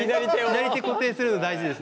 左手固定するの大事です。